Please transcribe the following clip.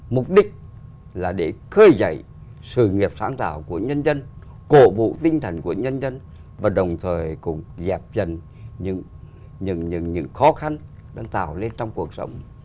mục đích là để khơi dậy sự nghiệp sáng tạo của nhân dân cổ bộ tinh thần của nhân dân và đồng thời cũng dẹp dần những khó khăn đang tạo lên trong cuộc sống